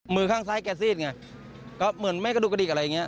มือข้างซ้ายแกซีดไงก็เหมือนแม่กระดูกกระดิกอะไรอย่างนี้